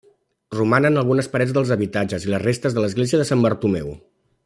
Romanen algunes parets dels habitatges i les restes de l'església de Sant Bartomeu.